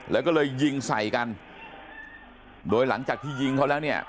แล้วก็เลยยิงใส่กันโดยหลังจากที่ยิงเขาแล้วเนี่ย